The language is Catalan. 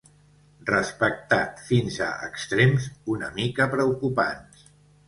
Respectat fins a extrems una mica preocupants.